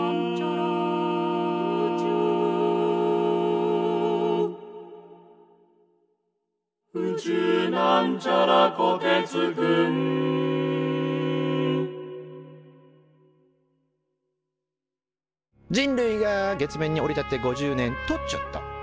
「宇宙」人類が月面に降り立って５０年！とちょっと。